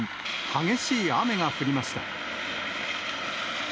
激しい雨が降りました。